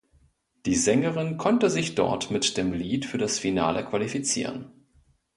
Die Sängerin konnte sich dort mit dem Lied für das Finale qualifizieren.